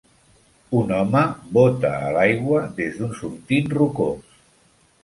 Un home bota a l'aigua des d'un sortint rocós.